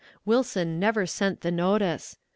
Wilson never sent the notice.